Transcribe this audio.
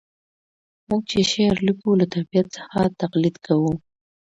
موږ چي شعر لیکو له طبیعت څخه تقلید کوو.